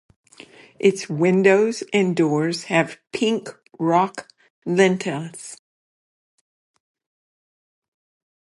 Its windows and doors have pink rock lintels.